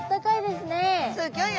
すギョい